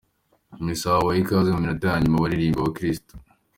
Mu Misa bahawe ikaze mu minota ya nyuma baririmbira abakristu.